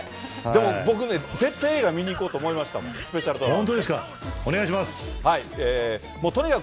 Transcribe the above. でも、僕ね、絶対映画見に行こうと思いましたもん、本当ですか？